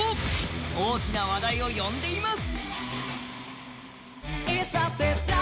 大きな話題を呼んでいます。